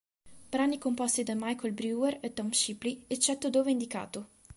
Brani composti da Michael Brewer e Tom Shipley, eccetto dove indicato.